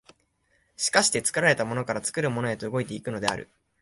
而して作られたものから作るものへと動いて行くのである。